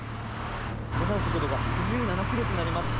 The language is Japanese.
速度が８７キロとなります。